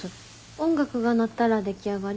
音楽が鳴ったら出来上がり。